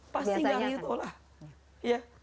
pasti gak rido lah